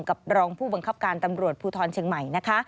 รองผู้บังคับการตำรวจภูทรเชียงใหม่นะคะ